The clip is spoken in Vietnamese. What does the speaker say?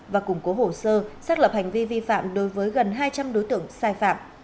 và củng cố hồ sơ xác lập hành vi vi phạm đối với gần hai trăm linh đối tượng sai phạm